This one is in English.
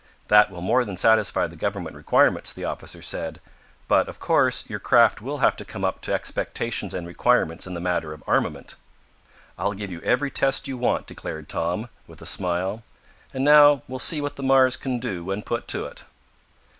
"That will more than satisfy the government requirements," the officer said. "But, of course, your craft will have to come up to expectations and requirements in the matter of armament." "I'll give you every test you want," declared Tom, with a smile. "And now we'll see what the Mars can do when put to it."